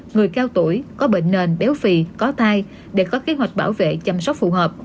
người cao tuổi có bệnh nền béo phì có thai để có kế hoạch bảo vệ chăm sóc phù hợp